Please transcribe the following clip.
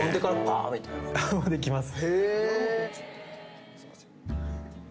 できます。